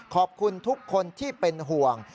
ขอบคุณทุกคนที่เป็นห่วง